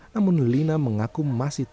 namun lina mengaku masih